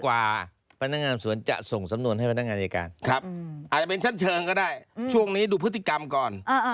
อาจจะเป็นชั้นเชิงก็ได้ช่วงนี้ดูพฤติกรรมก่อน